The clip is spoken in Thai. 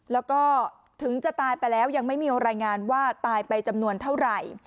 แล้วก็ถึงจะตายไปแล้วยังไม่มีรายงานว่าตายไปจำนวนเท่าไหร่